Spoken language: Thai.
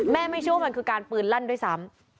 ไม่เชื่อว่ามันคือการปืนลั่นด้วยซ้ำ